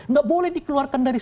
nggak boleh dikeluarkan dari